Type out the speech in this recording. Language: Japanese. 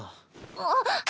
あっ！